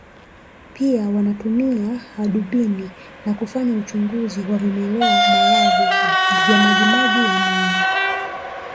Pia wanatumia hadubini na kufanya uchunguzi wa vimelea maradhi vya majimaji ya mwilini